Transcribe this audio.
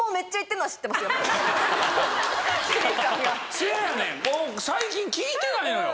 せやねん最近聞いてないのよ。